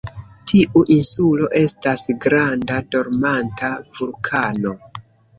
Tiu insulo estas granda dormanta vulkano.